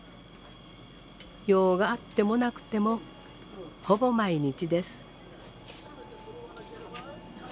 用があってもなくてもほぼ毎日です。